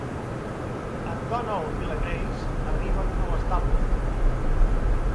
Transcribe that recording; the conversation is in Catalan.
En Donald i la Grace arriben a l'estable.